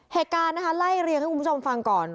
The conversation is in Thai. เหตุการณ์นะคะไล่เรียงให้คุณผู้ชมฟังก่อน